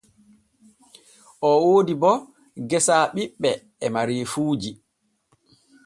Oo woodi bo gesa ɓiɓɓe e mareefuuji.